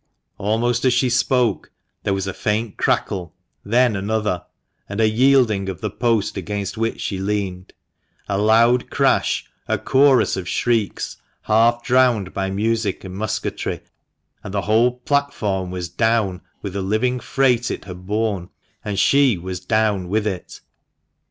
THE MANCHESTER MAN. 53 Almost as she spoke, there was a faint crackle, then another, and a yielding of the post against which she leaned — a loud crash, a chorus of shrieks, half drowned by music and musketry, and the whole platform was down, with the living freight it had borne ; and she was down with it.